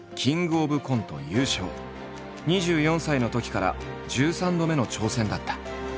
２４歳のときから１３度目の挑戦だった。